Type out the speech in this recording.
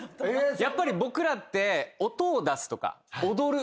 やっぱり僕らって音を出すとか踊る。